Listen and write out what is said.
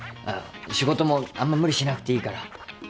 あの仕事もあんま無理しなくていいから。